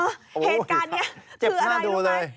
เหตุการณ์นี้คืออะไรดูเลย